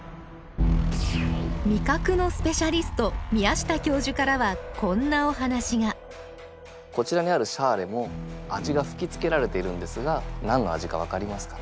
味覚のスペシャリスト宮下教授からはこんなお話がこちらにあるシャーレも味が吹きつけられているんですが何の味か分かりますかね？